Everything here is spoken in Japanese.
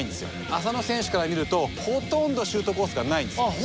浅野選手から見るとほとんどシュートコースがないんです。